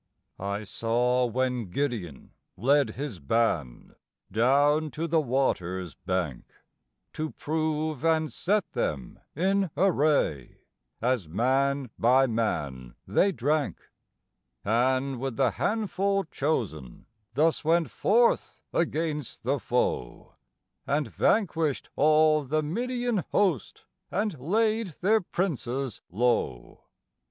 I saw when Gideon led his band down to the water's bank To prove and set them in array, as man by man they drank, And with the handful chosen thus went forth against the foe, And vanquished all the Midian host, and laid their princes low.